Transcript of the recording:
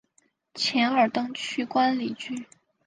钱尔登去官里居。